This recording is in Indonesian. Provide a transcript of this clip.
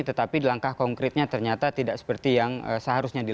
tetapi langkah konkretnya ternyata tidak seperti yang seharusnya dilakukan